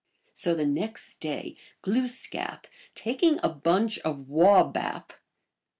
So the next day Glooskap, taking a bunch of waw bap (P.